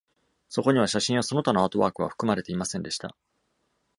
そこには写真やその他のアートワークは含まれていませんでした。